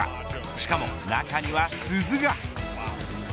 しかも中には鈴が。